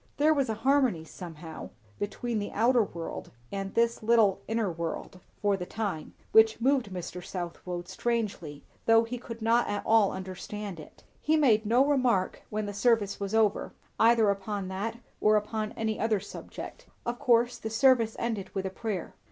There was a harmony, somehow, between the outer world and this little inner world, for the time, which moved Mr. Southwode strangely, though he could not at all understand it. He made no remark when the service was over, either upon that or upon any other subject. Of course the service ended with a prayer.